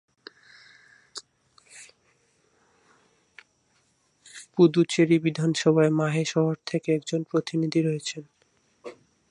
পুদুচেরি বিধানসভায় মাহে শহর থেকে একজন প্রতিনিধি রয়েছেন।